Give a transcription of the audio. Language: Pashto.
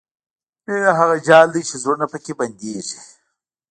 مینه هغه جال دی چې زړونه پکې بندېږي.